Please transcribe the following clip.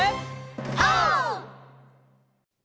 オー！